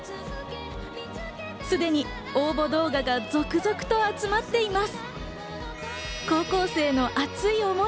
すでに応募動画が続々と集まっています。